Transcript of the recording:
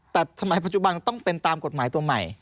แต่สมัยปัจจุบันต้องเป็นตามกฎหมายตัวใหม่